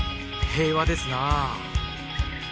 平和です